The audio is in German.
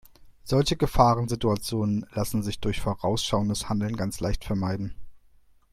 Solche Gefahrensituationen lassen sich durch vorausschauendes Handeln ganz leicht vermeiden.